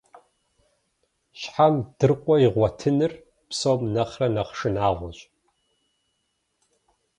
Щхьэм дыркъуэ игъуэтыныр псом нэхърэ нэхъ шынагъуэщ.